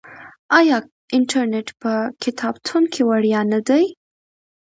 آیا انټرنیټ په کتابتون کې وړیا نه دی؟